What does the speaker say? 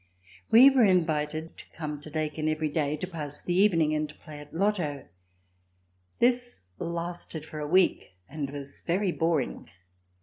We were invited to come to Laeken every day to pass the evening and play at lotto. This lasted for a week and was very boring.